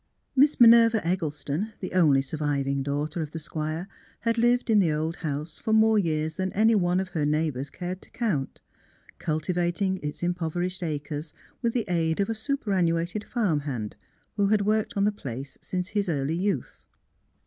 Miss Minerva Eggleston, the only surviving daughter of the Squire, had lived in the old house for more years than any one of her neighbours cared to count, cultivating its impoverished acres, with the aid of a superannuated farm hand, who had worked on the place since his early youth.